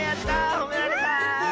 ほめられた！